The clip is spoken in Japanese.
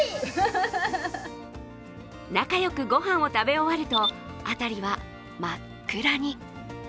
仲良くご飯を食べ終わると、辺りは真っ暗に。